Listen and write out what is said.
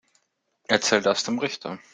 Erzähl das dem Richter.